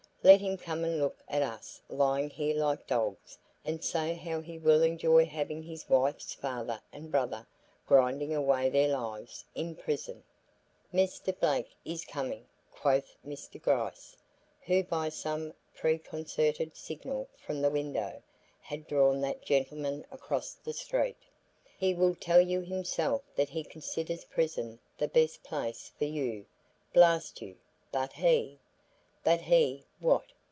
Let him come and look at us lying here like dogs and say how he will enjoy having his wife's father and brother grinding away their lives in prison." "Mr. Blake is coming," quoth Mr. Gryce, who by some preconcerted signal from the window had drawn that gentleman across the street. "He will tell you himself that he considers prison the best place for you. Blast you! but he " "But he, what?"